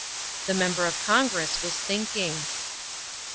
The Member of Congress was thinking.